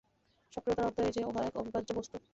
স্বকীয়তার অর্থ এই যে, উহা এক অবিভাজ্য বস্তু।